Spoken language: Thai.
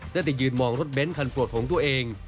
ได้แต่ยืนมองรถเบ้นคันโปรดของตัวเอง